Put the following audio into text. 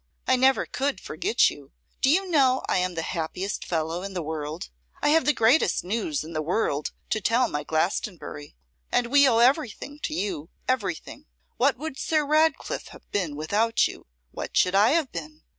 I never could forget you. Do you know I am the happiest fellow in the world? I have the greatest news in the world to tell my Glastonbury and we owe everything to you, everything. What would Sir Ratcliffe have been without you? what should I have been?